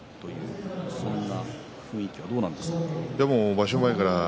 そんな雰囲気はどうなんですか？